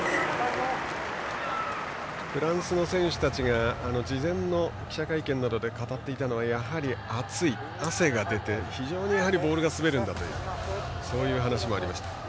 フランスの選手たちが事前の記者会見などで語っていたのはやはり暑い、汗が出て非常にボールが滑るんだというそういう話もありました。